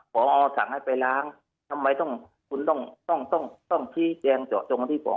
ปอสั่งให้ไปล้างทำไมคุณต้องพีแจงเจาะจงที่ปอ